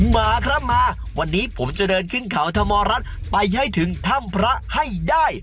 มาครับมาวันนี้ผมจะเดินขึ้นเขาธรรมรัฐไปให้ถึงถ้ำพระให้ได้